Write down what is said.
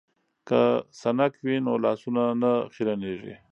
که سنک وي نو لاسونه نه خیرنیږي.